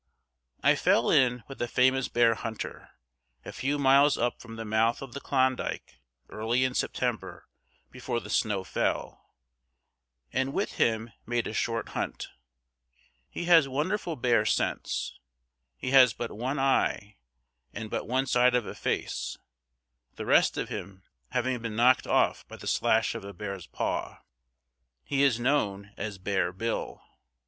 I fell in with a famous bear hunter, a few miles up from the mouth of the Klondike early in September, before the snow fell, and with him made a short hunt. He has wonderful bear sense. He has but one eye and but one side of a face, the rest of him having been knocked off by the slash of a bear's paw. He is known as Bear Bill.